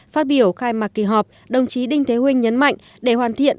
phát biểu khai mạc kỳ họp đồng chí đinh thế huynh nhấn mạnh để hoàn thiện